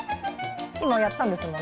今やったんですもんね？